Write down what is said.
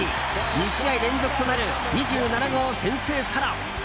２試合連続となる２７号先制ソロ！